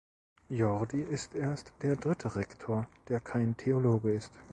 Jordi ist erst der dritte Rektor, der kein Theologe ist.